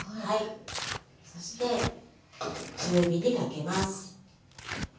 そして中火にかけます。